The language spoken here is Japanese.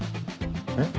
えっ？